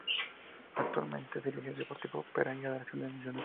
Actualmente dirige al Deportivo Pereira de la Segunda División de Colombia.